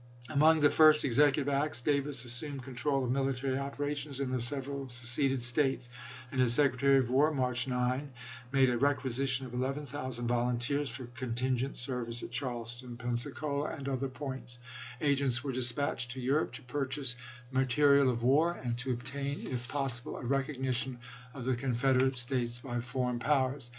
Among the first executive acts, Davis assumed control of military operations in the several seceded States ; and his Secretary of War i86i. (March 9) made a requisition for 11,000 volun teers, for contingent service at Charleston, Pensa THE MONTGOMERY CONFEDERACY 213 cola, and other points. Agents were dispatched to chap. xiii. Europe to purchase material of war ; and to obtain if possible a recognition of the Confederate States by foreign powers.